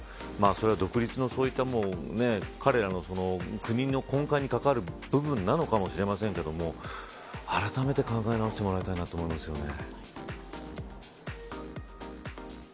それは、独立の彼らの国の根幹に関わる部分なのかもしれませんけどもあらためて考え直してもらいたいなと思いますね。